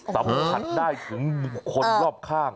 สัมผัสได้ถึงคนรอบข้าง